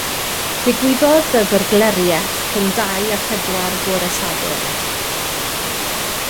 Digwyddodd y fyrgleriaeth rhwng dau a phedwar fore Sadwrn.